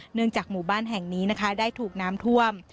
จากหมู่บ้านแห่งนี้นะคะได้ถูกน้ำท่วม